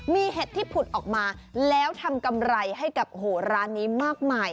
มีเห็ดที่ผุดออกมาแล้วทำกำไรให้กับร้านนี้มากมาย